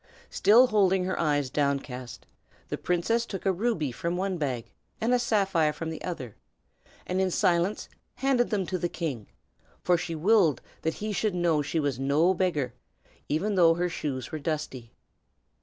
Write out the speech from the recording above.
Still holding her eyes downcast, the princess took a ruby from one bag, and a sapphire from the other, and in silence handed them to the king, for she willed that he should know she was no beggar, even though her shoes were dusty.